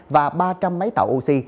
và ba trăm linh máy tạo oxy